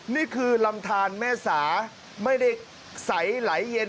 นี่คือลำทานแม่สาไม่ได้ใสไหลเย็น